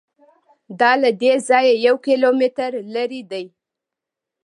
دا له دې ځایه یو کیلومتر لرې دی.